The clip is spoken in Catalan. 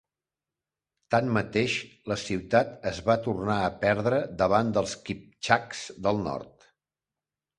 Tanmateix, la ciutat es va tornar a perdre davant dels kipchaks del nord.